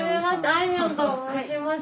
あいみょんと申します。